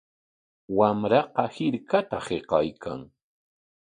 Wamraqa hirkata hiqaykan.